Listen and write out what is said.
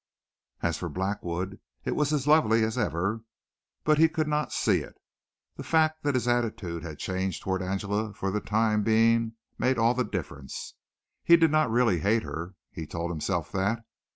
As for Blackwood, it was as lovely as ever but he could not see it. The fact that his attitude had changed toward Angela for the time being made all the difference. He did not really hate her he told himself that.